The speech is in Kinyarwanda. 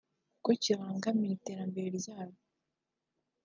kuko ngo kibangamiye iterambere ryabo